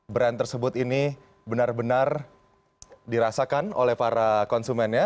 brand tersebut ini benar benar dirasakan oleh para konsumennya